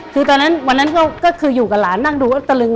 คือตอนนั้นวันนั้นก็คืออยู่กับหลานนั่งดูตะลึง